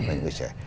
về những người trẻ